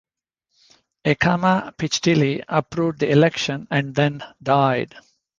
Acamapichtili approved the election, and then died.